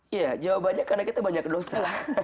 ya jawabannya karena kita banyak dosa